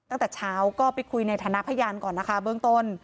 ตั้งแต่เช้าก็ไปคุยในฐานะพยานก่อนนะคะเบื้องต้น